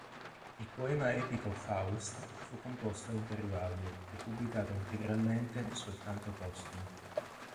Il poema epico "Faust" fu composto a intervalli, e pubblicato integralmente soltanto postumo.